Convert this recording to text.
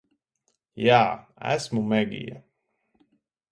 Jā. Esmu Megija.